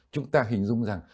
chúng ta hình dung rằng